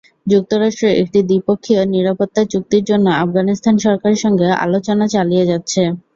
যুক্তরাষ্ট্র একটি দ্বিপক্ষীয় নিরাপত্তা চুক্তির জন্য আফগানিস্তান সরকারের সঙ্গে আলোচনা চালিয়ে যাচ্ছে।